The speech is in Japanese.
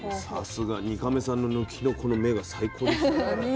さすが２カメさんの抜きのこの目が最高です。